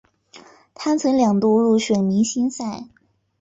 他曾两度入选明星赛。